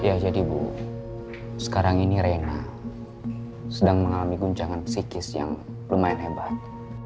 ya jadi bu sekarang ini reina sedang mengalami guncangan psikis yang lumayan hebat